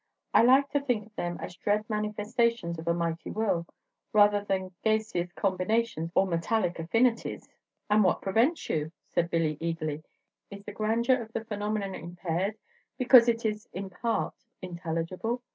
I like to think of them as dread manifestations of a mighty will, rather than gaseous combinations or metallic affinities." "And what prevents you?" said Billy, eagerly. "Is the grandeur of the phenomenon impaired because it is in part intelligible?